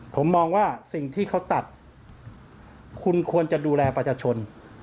ผมมองว่าสิ่งที่เขาตัดคุณควรจะดูแลประชาชน